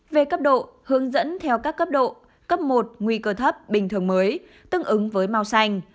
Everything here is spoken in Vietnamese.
về cấp độ hướng dẫn theo các cấp độ cấp một nguy cơ thấp bình thường mới tương ứng với màu xanh